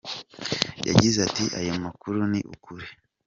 Yagize ati "Ayo makuru ni ukuri.